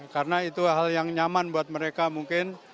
karena itu hal yang nyaman buat mereka mungkin